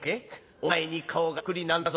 お前に顔がそっくりなんだぞ」。